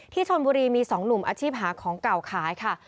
ที่ชนบุรีมีสองหลุมอาชีพหาของก่าวขายค่ะ